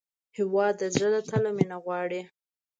هېواد د زړه له تله مینه غواړي.